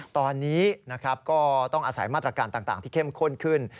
ตอนนี้ก็ต้องอาศัยมาตรการต่างที่เข้มข้นขึ้น